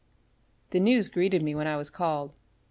The news greeted me when I was called.